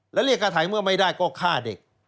แล้วเรียกกระถ่ายเมื่อไม่ได้ก็ฆ่าเด็ก